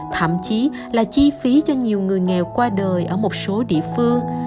thậm chí là chi phí cho nhiều người nghèo qua đời ở một số địa phương